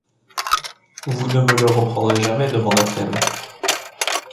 Vous ne me le reprendrez jamais, demanda-t-elle.